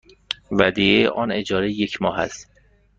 ودیعه آن اجاره یک ماه است.